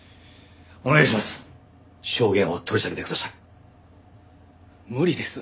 お願いします。